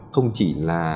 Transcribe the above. không chỉ là